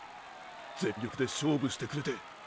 全力で勝負してくれて。